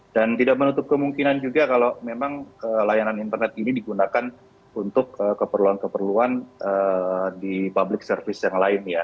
dan tidak menutup kemungkinan juga kalau memang layanan internet ini digunakan untuk keperluan keperluan di public service yang lain ya